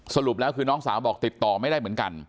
สรุปแล้วคือน้องสาวบอกติดต่อไม่ได้เหมือนกัน